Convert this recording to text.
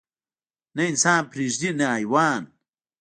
نه انسان پرېږدي نه حيوان.